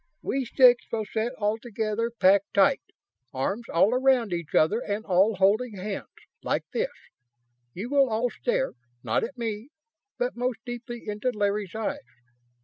"We six will sit all together, packed tight, arms all around each other and all holding hands, like this. You will all stare, not at me, but most deeply into Larry's eyes.